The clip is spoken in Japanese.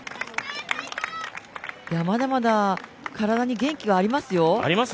まだまだ体に元気がありますよ。